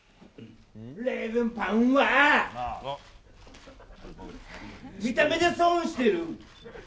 レーズンパンは、見た目で損してる。